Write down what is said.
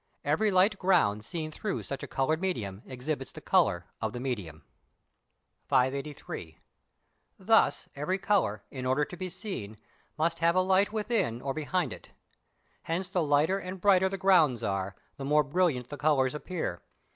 Every light ground seen through such a coloured medium exhibits the colour of the medium. 583. Thus every colour, in order to be seen, must have a light within or behind it. Hence the lighter and brighter the grounds are, the more brilliant the colours appear.